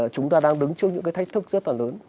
chúng ta đang đứng trước những cái thách thức rất là lớn